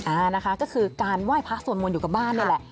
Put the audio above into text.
อ่านะคะก็คือการไหว้พระสวดมนต์อยู่กับบ้านนี่แหละ